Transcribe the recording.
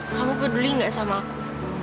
kamu peduli gak sama aku